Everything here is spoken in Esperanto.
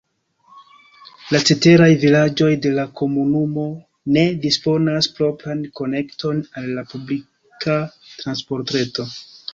La ceteraj vilaĝoj de la komunumo ne disponas propran konekton al la publika transportreto.